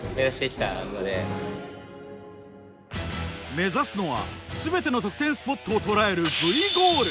目指すのは全ての得点スポットを捉えるＶゴール。